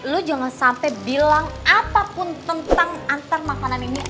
lu jangan sampai bilang apapun tentang antar makanan ini